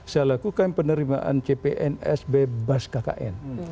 saya lakukan penerimaan cpns bebas kkn